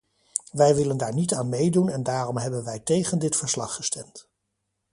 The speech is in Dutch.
Wij willen daar niet aan meedoen en daarom hebben wij tegen dit verslag gestemd.